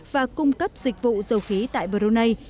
và cung cấp dịch vụ dầu khí tại brunei